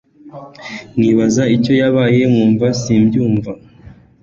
nkibaza icyo yabaye nkumva simbyumva